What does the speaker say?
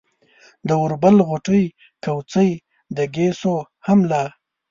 د اوربل غوټې، کوڅۍ، د ګيسو هم لا